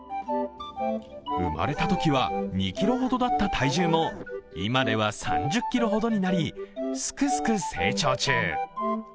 生まれたときは２ｋｇほどだった体重も今では３０ｋｇほどになりすくすく成長中。